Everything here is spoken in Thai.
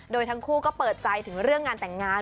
โดยทั้งคู่ก็เปิดใจถึงเรื่องงานแต่งงาน